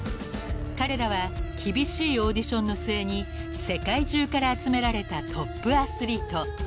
［彼らは厳しいオーディションの末に世界中から集められたトップアスリート］